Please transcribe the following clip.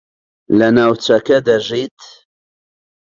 لە ناوچەکە دەژیت؟